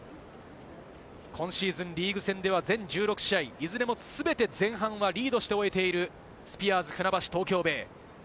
今シーズン、リーグ戦では全１６試合、いずれも全て前半はリードして終えている、スピアーズ船橋・東京ベイ。